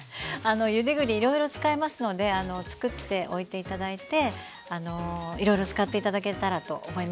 ゆで栗いろいろ使えますのでつくっておいて頂いていろいろ使って頂けたらと思います。